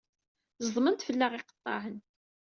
Ẓedmen-d fell-aɣ yiqeṭṭaɛen.